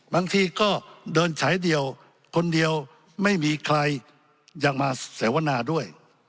บางทีก็เดินฉายเดียวคนเดียวไม่มีใครยังมาเสวนาด้วย